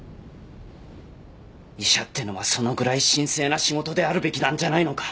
医者ってのはそのぐらい神聖な仕事であるべきなんじゃないのか。